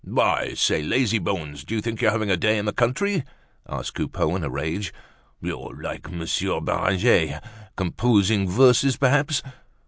"I say, lazy bones! Do you think you're having a day in the country?" asked Coupeau, in a rage. "You're like Monsieur Beranger, composing verses, perhaps!